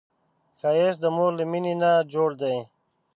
ښایست د مور له مینې نه جوړ دی